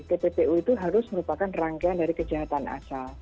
tppu itu harus merupakan rangkaian dari kejahatan asal